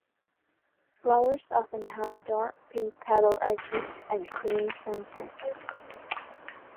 Flowers often have dark pink petal edges and cream centers.